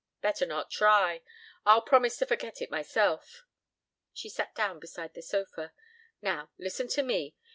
"Better not try! I'll promise to forget it myself." She sat down beside the sofa. "Now, listen to me.